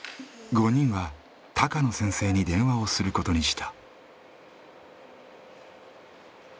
５人は高野先生に電話をすることにした。